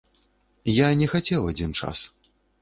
Я не хацеў адзін час.